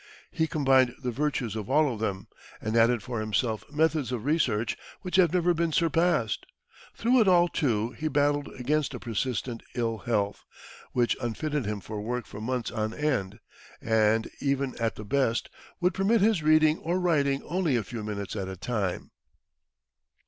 He combined the virtues of all of them, and added for himself methods of research which have never been surpassed. Through it all, too, he battled against a persistent ill health, which unfitted him for work for months on end, and, even at the best, would permit his reading or writing only a few minutes at a time.